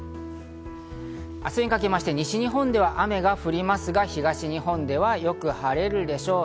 明日にかけまして、西日本では雨が降りますが東日本ではよく晴れるでしょう。